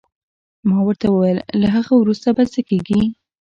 ما ورته وویل: له هغه وروسته به څه کېږي؟